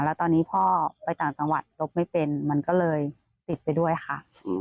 แล้วตอนนี้พ่อไปต่างจังหวัดลบไม่เป็นมันก็เลยติดไปด้วยค่ะ